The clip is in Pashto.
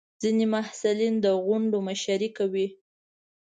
ځینې محصلین د غونډو مشري کوي.